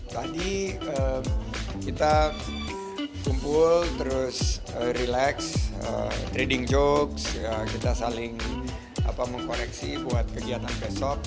tadi kita kumpul terus relax trading jokes kita saling mengkoreksi buat kegiatan besok